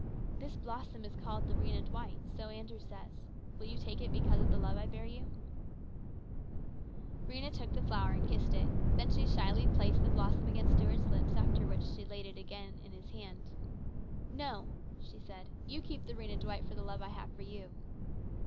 " This blossom is called the Rhena D wight, so Andrew says. Will you take it because of the love I bear you ?" Rhena took the flower and kissed it. Then she shyly placed the blossom against Stuart's lips, after which she laid it down again in his hand. " No," she said, " you keep the Rhena Dwight for the love I have for you."